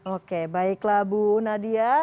oke baiklah bu nadia